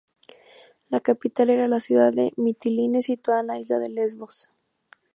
La capital era la ciudad de Mitilene, situada en la isla de Lesbos.